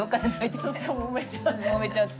ちょっともめちゃって。